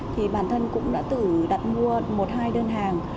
thì bản thân cũng đã tự đặt mua một hai đơn hàng